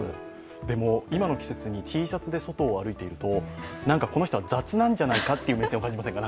今の季節にＴシャツで外を歩いているとこの人は雑なんじゃないかという目線を感じませんか？